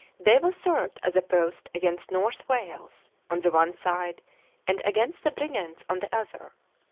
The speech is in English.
Deva seived as a post against North Waies on the one side and against the Brigantes on t' e other.